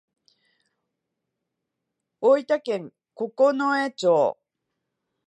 大分県九重町